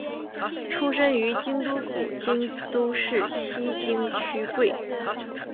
出身于京都府京都市西京区桂。